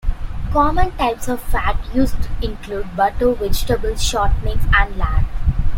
Common types of fat used include butter, vegetable shortenings, and lard.